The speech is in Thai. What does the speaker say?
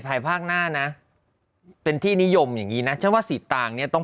ภายภาคหน้านะเป็นที่นิยมอย่างงี้นะฉันว่าสีตางเนี่ยต้อง